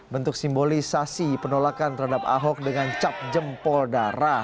bentuk simbolisasi penolakan terhadap ahok dengan cap jempol darah